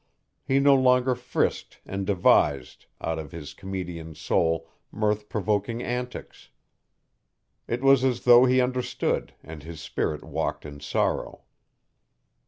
He no longer frisked and devised, out of his comedian's soul, mirth provoking antics. It was as though he understood and his spirit walked in sorrow.